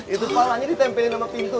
itu palanya ditempelin sama pintu